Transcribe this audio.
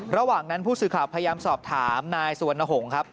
ระหว่างนั้นผู้สื่อข่าวพยายามสอบถามนายสุวรรณหงษ์ครับ